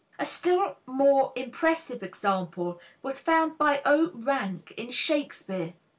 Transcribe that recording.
A still more impressive example was found by O. Rank in Shakespeare.